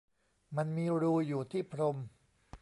มันมีรูอยู่ที่พรม